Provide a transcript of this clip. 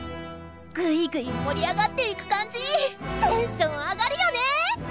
グイグイ盛り上がっていく感じテンション上がるよね！